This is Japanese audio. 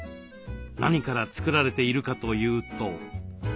何から作られているかというと。